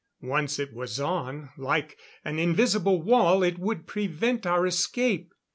Once it was on, like an invisible wall it would prevent our escape.